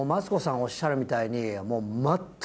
おっしゃるみたいに。